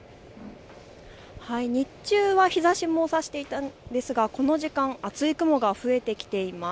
日中は日ざしもさしていたんですがこの時間、厚い雲が増えてきています。